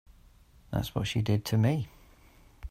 That's what she did to me.